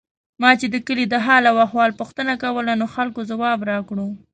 ما چې د کلي د حال او احوال پوښتنه کوله، نو خلکو ځواب راکړو.